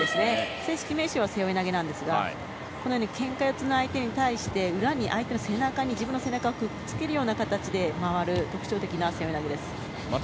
正式名称は背負い投げなんですがこのようにけんか四つの相手に対して相手の背中に自分の背中をくっつけて回る特徴的な背負い投げです。